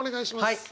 はい。